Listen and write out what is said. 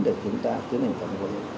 để chúng ta tiến hành phạm vận